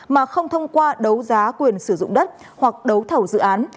mà không thông qua đấu giá quyền sử dụng đất hoặc đấu thầu dự án